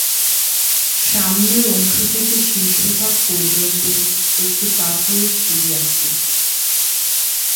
সামনের অংশ থেকে শীর্ষভাগ পর্যন্ত একটি পাথরের সিঁড়ি আছে।